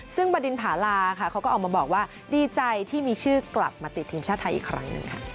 ซึ่งบดินผาลาค่ะเขาก็ออกมาบอกว่าดีใจที่มีชื่อกลับมาติดทีมชาติไทยอีกครั้งหนึ่งค่ะ